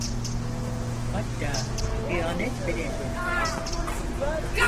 Hatta hıyanet bile edebilir…